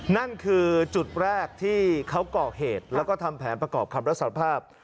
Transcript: นั่นคือจุดแรกที่เขาก่อเหตุแล้วก็ทำแผนประกอบคำรับสารภาพ